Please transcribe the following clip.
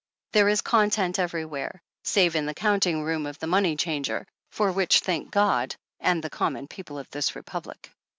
There is content everywhere, save in the counting room of the money changer, for which thank God and the com mon people of this Republic.